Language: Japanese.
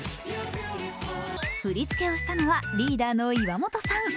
振り付けをしたのはリーダーの岩本さん。